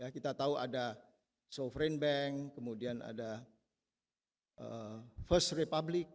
kita tahu ada soverain bank kemudian ada first republic